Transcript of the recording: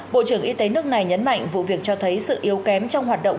bộ trưởng y tế nước này nhấn mạnh vụ việc cho thấy sự yếu kém trong hoạt động